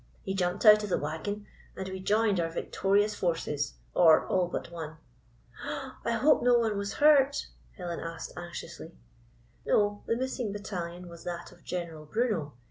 "He jumped out of the wagon, and we joined our victorious forces — or all but one." "I hope no one was hurt?" Helen asked, anxiously. " No. The missing battalion was that of General Bruno.